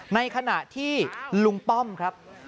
ในขณะที่ลุงป้อมครับ